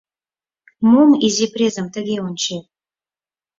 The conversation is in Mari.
— Мом изи презым тыге ончет?